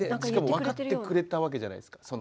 しかも分かってくれたわけじゃないですか